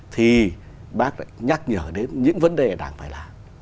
thì bác lại nhắc nhở đến những vấn đề đảng phải làm